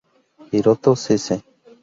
Hiroto Sese